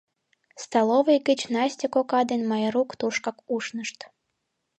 Столовый гыч Настя кока ден Майрук тушкак ушнышт.